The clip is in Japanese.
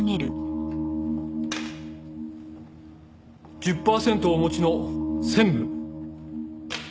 １０パーセントをお持ちの専務。